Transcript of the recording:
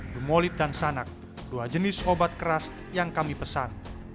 dumolit dan sanak dua jenis obat keras yang kami pesan